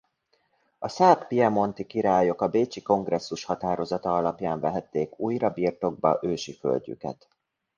A szárd–piemonti királyok a bécsi kongresszus határozata alapján vehették újra birtokba ősi földjüket.